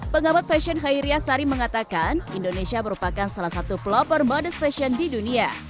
pengabat fashion khairiyah sari mengatakan indonesia merupakan salah satu pelopor modus fashion di dunia